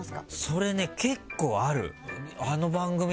それね結構ある。